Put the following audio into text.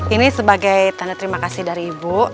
ini sebagai tanda terima kasih dari ibu